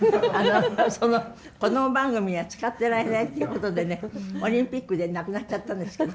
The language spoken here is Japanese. そのこども番組には使ってられないってことでねオリンピックでなくなっちゃったんですけど。